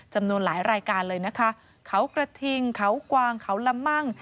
จำนวนหลายรายการเลยนะคะเขากระทิงเขากวางเขาละมั่ง